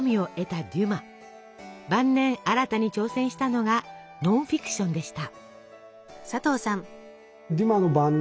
晩年新たに挑戦したのがノンフィクションでした。